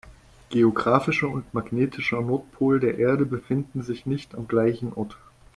Geographischer und magnetischer Nordpol der Erde befinden sich nicht am gleichen Ort.